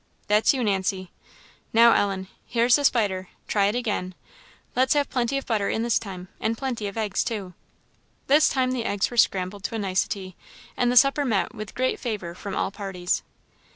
That's you, Nancy! Now, Ellen, here's the spider; try it again; let's have plenty of butter in this time, and plenty of eggs, too." This time the eggs were scrambled to a nicety, and the supper met with great favour from all parties.